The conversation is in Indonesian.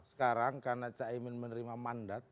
sekarang karena cak imin menerima mandat